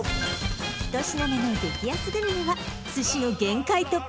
１品目の激安グルメは寿司の限界突破！